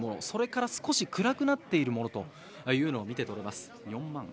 それから少し暗くなっているものが見て取れます。